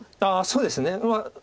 そうですね。